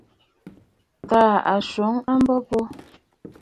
Tàà a swoŋ a mbo bo.